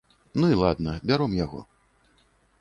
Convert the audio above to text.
Ну і ладна, бяром яго.